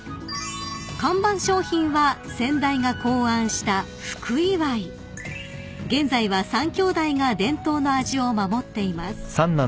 ［看板商品は先代が考案した「福祝」］［現在は３兄弟が伝統の味を守っています］